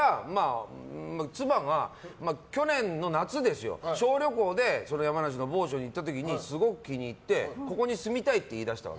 妻が去年の夏に小旅行で山梨の某所に行った時にすごく気に入ってここに住みたいって言い出して。